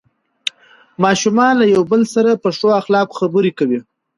ماشومان له یو بل سره په ښو اخلاقو خبرې کوي